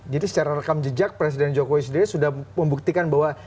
jadi secara rekam jejak presiden jokowi sendiri sudah membuktikan bahwa